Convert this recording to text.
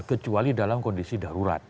kecuali dalam kondisi darurat